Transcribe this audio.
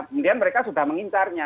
kemudian mereka sudah mengincarnya